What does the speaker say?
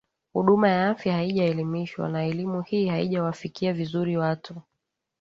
huduma ya afya haijaelimishwa na elimu hii haijawafikia vizuri watu